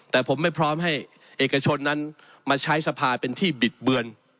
แต่ผมไม่พร้อมให้เอกชนนั้นมาใช้สภาเป็นที่บิดเบือน